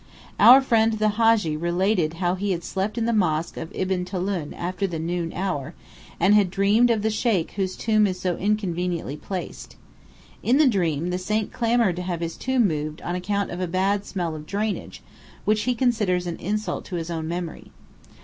Our friend the Hadji related how he had slept in the mosque of Ibn Tulun after the noon hour, and dreamed of the sheikh whose tomb is so inconveniently placed. In the dream, the saint clamoured to have his tomb moved on account of a bad smell of drainage which he considers an insult to his own memory.